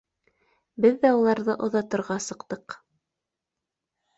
Беҙ ҙә уларҙы оҙатырға сыҡтыҡ.